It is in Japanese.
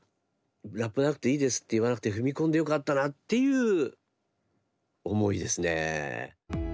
ラップなくていいですって言わなくて踏み込んでよかったなっていう思いですね。